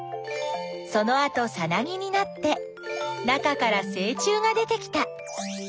そのあとさなぎになって中からせい虫が出てきた。